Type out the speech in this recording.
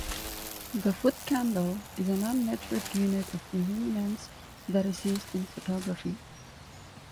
The foot-candle is a non-metric unit of illuminance that is used in photography.